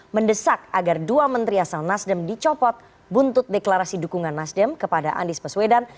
mendesak agar dua menteri asal nasdem dicopot buntut deklarasi dukungan nasdem kepada andis baswedan